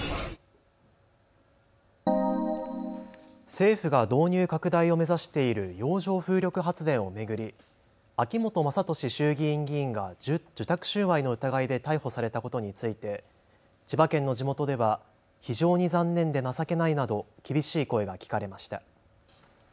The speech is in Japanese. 政府が導入拡大を目指している洋上風力発電を巡り秋本真利衆議院議員が受託収賄の疑いで逮捕されたことについて千葉県の地元では非常に残念で情けないなど厳しい声が聞かれました。